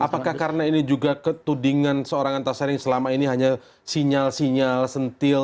apakah karena ini juga ketudingan seorang antasari yang selama ini hanya sinyal sinyal sentil